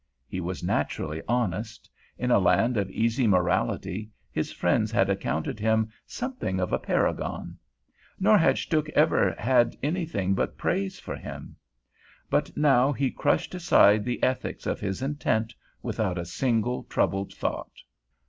He was naturally honest. In a land of easy morality his friends had accounted him something of a paragon; nor had Stuhk ever had anything but praise for him. But now he crushed aside the ethics of his intent without a single troubled thought.